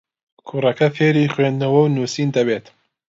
کوڕەکە فێری خوێندنەوە و نووسین دەبێت.